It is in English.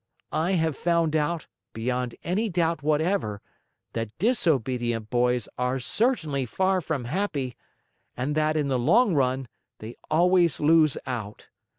I have found out, beyond any doubt whatever, that disobedient boys are certainly far from happy, and that, in the long run, they always lose out.